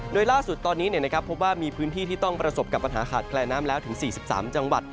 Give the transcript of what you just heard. โดยล่าสุดตอนนี้พบว่ามีพื้นที่ที่ต้องประสบกับปัญหาขาดแคลนน้ำแล้วถึง๔๓จังหวัด